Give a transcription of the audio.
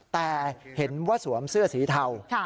แต่เห็นว่าสวมเสื้อสีเทา